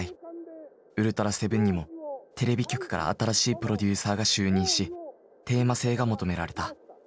「ウルトラセブン」にもテレビ局から新しいプロデューサーが就任しテーマ性が求められた。